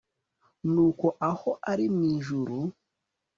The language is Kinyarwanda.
nuko aho ari mu ijuru